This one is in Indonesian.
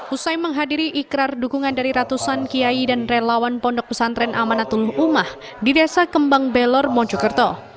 usai menghadiri ikrar dukungan dari ratusan kiai dan relawan pondok pesantren amanatul umah di desa kembang belor mojokerto